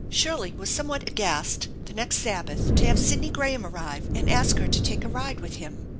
Shirley was somewhat aghast the next Sabbath to have Sidney Graham arrive and ask her to take a ride with him.